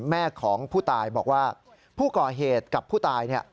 แม่ของผู้ตายบอกว่าผู้ก่อเหตุกับผู้ตาย